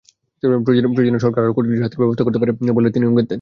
প্রয়োজনে সরকার আরও কঠিন শাস্তির ব্যবস্থা করতে পারে বলে তিনি ইঙ্গিত দেন।